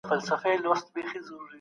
هر څېړنه یو ټاکلی وخت نیسي.